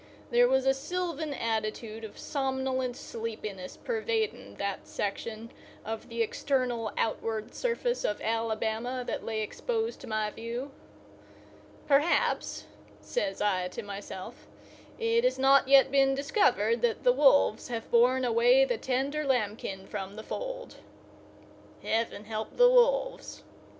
There was a sylvan attitude of somnolent sleepiness pervading that section of the external outward surface of Alabama that lay exposed to my view. "Perhaps," says I to myself, "it has not yet been discovered that the wolves have borne away the tender lambkin from the fold. Heaven help the wolves!"